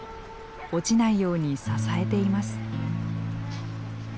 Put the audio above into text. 落ちないように支えています。